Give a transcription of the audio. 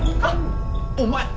お前！